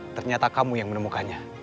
ternyata kamu yang menemukannya